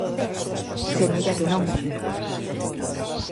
Semella que non.